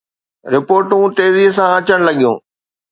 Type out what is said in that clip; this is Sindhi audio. رپورٽون تيزيءَ سان اچڻ لڳيون.